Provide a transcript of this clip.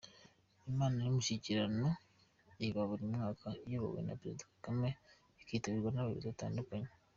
Inama y’umushyikirano iba buri mwaka iyobowe na Perezida Kagame ikitabirwa n’abayobozi batandukanye.